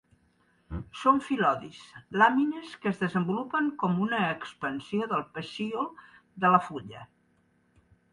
Són fil·lodis, làmines que es desenvolupen com una expansió del pecíol de la fulla.